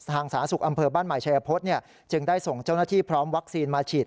สาธารณสุขอำเภอบ้านใหม่ชายพฤษจึงได้ส่งเจ้าหน้าที่พร้อมวัคซีนมาฉีด